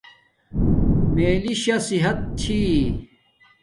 مالݵݵ شا صحت چھی